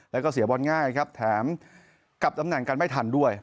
แล้วก็เสียบอลง่ายครับแถมกลับตำแหน่งกันไม่ทันด้วย